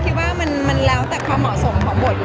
ความเหมาะสมความกับบท